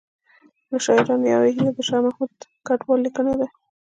له شاعرانو یوه هیله د شاه محمود کډوال لیکنه ده